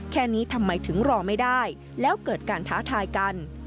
แค่นี้ทำไมถึงรอไม่ได้แล้วเกิดการท้าทายกัน